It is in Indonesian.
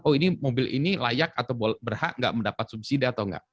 oh ini mobil ini layak atau berhak nggak mendapat subsidi atau enggak